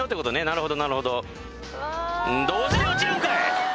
なるほどなるほどうん同時に落ちるんかい！